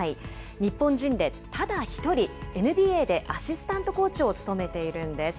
日本人でただ１人、ＮＢＡでアシスタントコーチを務めているんです。